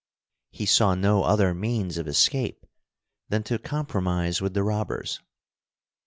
He saw no other means of escape than to compromise with the robbers.